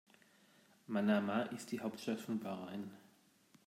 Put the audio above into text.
Manama ist die Hauptstadt von Bahrain.